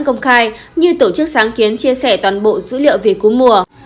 công khai như tổ chức sáng kiến chia sẻ toàn bộ dữ liệu về cú mùa